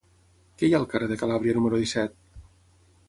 Què hi ha al carrer de Calàbria número disset?